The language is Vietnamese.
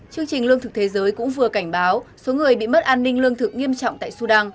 chương trình lương thực thế giới cũng vừa cảnh báo số người bị mất an ninh lương thực nghiêm trọng tại sudan